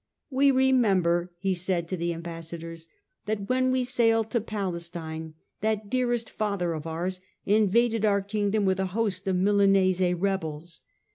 " We remember," he said to the ambas sadors, " that when we sailed to Palestine that dearest Father of ours invaded our Kingdom with a host of Milanese rebels.